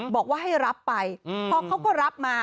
บอกว่าให้รับไปพอเขาก็รับมา